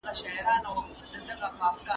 هغې د راروان پړاو لپاره هېڅ وعده نه ده کړې.